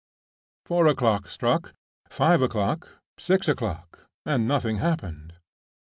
Four o'clock struck, five o'clock, six o'clock, and nothing happened.